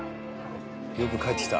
よく帰ってきた。